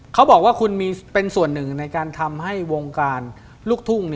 เขาบอกว่าคุณมีเป็นส่วนหนึ่งในการทำให้วงการลูกทุ่ง